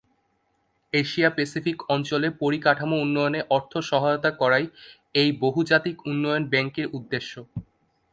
Asia Pacific অঞ্চলে পরিকাঠামো উন্নয়নে অর্থ সহায়তা করাই এই বহুজাতিক উন্নয়ন ব্যাঙ্কের উদ্দেশ্য।